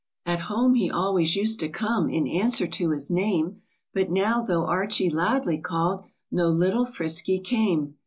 At home, he always used to come In answer to his name ; But now, though Archie loudly call'd, No little Frisky came.